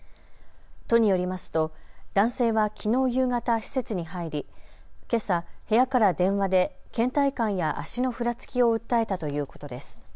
都によりますと男性はきのう夕方、施設に入りけさ部屋から電話でけん怠感や足のふらつきを訴えたということです。